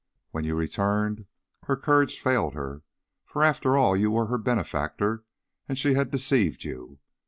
When you returned, her courage failed her, for after all you were her benefactor and she had deceived you.